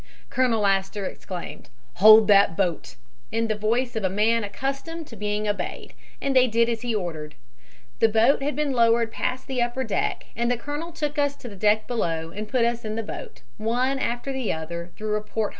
"Colonel Astor exclaimed, 'Hold that boat,' in the voice of a man accustomed to be obeyed, and they did as he ordered. The boat had been lowered past the upper deck and the colonel took us to the deck below and put us in the boat, one after the other, through a port hole."